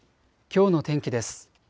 きょうの天気です。